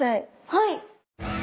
はい。